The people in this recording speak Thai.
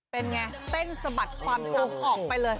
เป็นไงเต้นสะบัดความสุขออกไปเลย